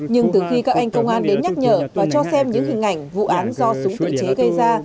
nhưng từ khi các anh công an đến nhắc nhở và cho xem những hình ảnh vụ án do súng tự chế gây ra